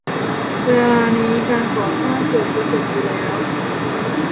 เวลานี้การก่อสร้างเกือบจะเสร็จอยู่แล้ว